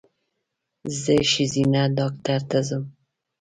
زه ښځېنه ډاکټر ته ځم